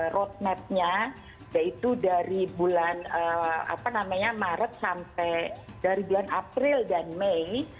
roadmapnya yaitu dari bulan maret sampai dari bulan april dan mei